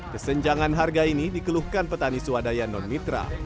kesenjangan harga ini dikeluhkan petani swadaya non mitra